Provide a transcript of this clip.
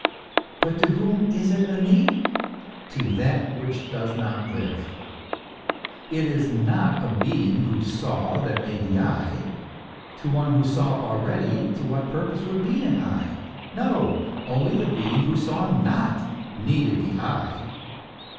But to whom is it a need ? To that which does not live. It is not a being who saw that made the eye : to one who saw already, to what purpose would be the eye ? No ! only the being who saw not needed the eye.